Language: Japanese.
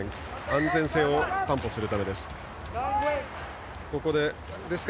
安全性を担保するためです。